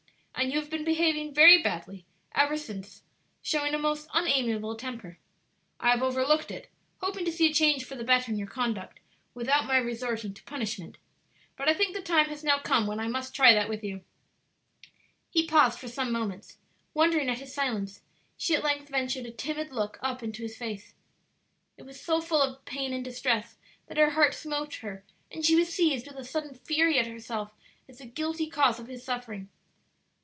And you have been behaving very badly ever since, showing a most unamiable temper. I have overlooked it, hoping to see a change for the better in your conduct without my resorting to punishment; but I think the time has now come when I must try that with you." He paused for some moments. Wondering at his silence, she at length ventured a timid look up into his face. It was so full of pain and distress that her heart smote her, and she was seized with a sudden fury at herself as the guilty cause of his suffering.